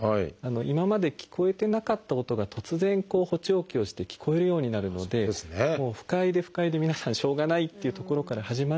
今まで聞こえてなかった音が突然補聴器をして聞こえるようになるので不快で不快で皆さんしょうがないっていうところから始まる。